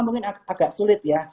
mungkin agak sulit ya